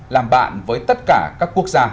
làm bạn với tất cả các quốc gia